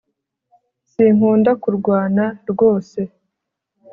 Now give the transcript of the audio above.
sinkunda kurwana rwose